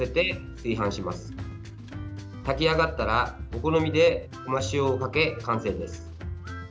炊き上がったらお好みでごま塩をかけ完成です。